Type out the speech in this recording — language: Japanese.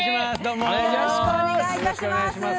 よろしくお願いします。